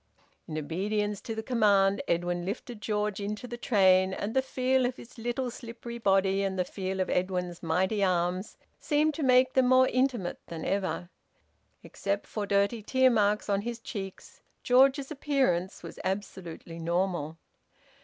In obedience to the command Edwin lifted George into the train; and the feel of his little slippery body, and the feel of Edwin's mighty arms, seemed to make them more intimate than ever. Except for dirty tear marks on his cheeks, George's appearance was absolutely normal.